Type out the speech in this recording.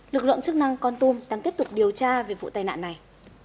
lực lượng chức năng con tum đang tiếp tục điều tra về vụ tai nạn này